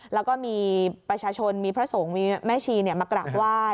แล้วก็มีประชาชนมีพระสงฆ์มีแม่ชีมากราบไหว้